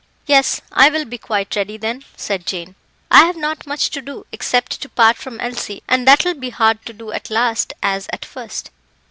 "Yes, I will be quite ready then," said Jane. "I have not much to do, except to part from Elsie, and that will be hard to do at last as at first."